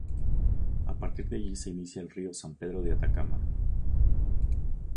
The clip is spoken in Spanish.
A partir de allí se inicia el río San Pedro de Atacama.